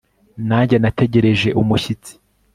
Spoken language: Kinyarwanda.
Nanjye nategereje umushyitsi